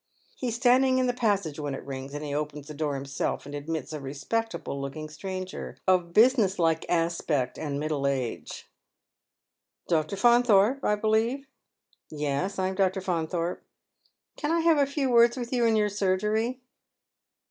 He is standing in the passage when it lings, and he open the door himself, and admits a rc^peo table looking stranger, of business like aspect aj>4 middle age. " Dr. Faunthorpe, I believe ?"" Yes, I am Dr. Faunthorj^e." " Can I have a few words with you in your surgery